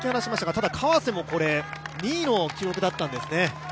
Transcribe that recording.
ただ川瀬も２位の記録だったんですね。